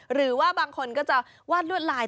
หรือว่าบางคนก็จะวาดลวดลาย